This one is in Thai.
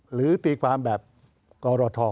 หรือตีความแบบมคกว